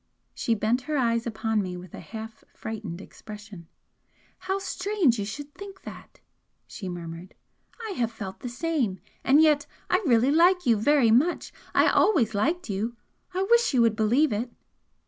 She bent her eyes upon me with a half frightened expression. "How strange you should think that!" she murmured "I have felt the same and yet I really like you very much I always liked you I wish you would believe it!"